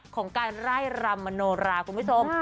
ของการไล่รำมโนราคุณผู้ชม